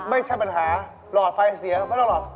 ไม่ใช่ปัญหาหลอดไฟเสียไม่ต้องหลอด